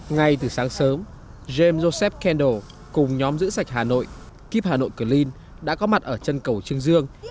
ngay từ sáng sớm james joseph kendal cùng nhóm giữ sạch hà nội kiếp hà nội clean đã có mặt ở chân cầu trưng dương